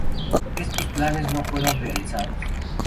Estos planes no fueron realizados.